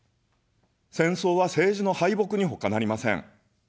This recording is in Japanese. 戦争は政治の敗北にほかなりません。